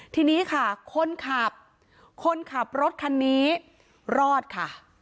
ทีนี้ค่ะคนขับคนขับรถคันนี้รอดค่ะ